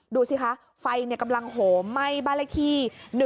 ดูสิคะไฟกำลังโหมไหม้บ้านเลขที่๑๒